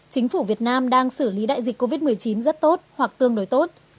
chính phủ việt nam đang xử lý đại dịch covid một mươi chín rất tốt hoặc tương đối tốt